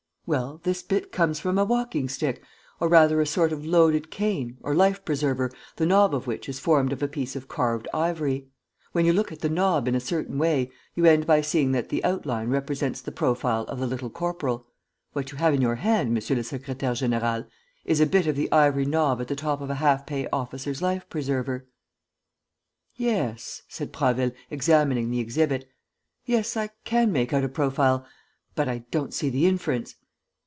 "Well, this bit comes from a walking stick, or rather a sort of loaded cane, or life preserver, the knob of which is formed of a piece of carved ivory. When you look at the knob in a certain way, you end by seeing that the outline represents the profile of the Little Corporal. What you have in your hand, monsieur le secrétaire; général, is a bit of the ivory knob at the top of a half pay officer's life preserver." "Yes," said Prasville, examining the exhibit, "yes, I can make out a profile ... but I don't see the inference...."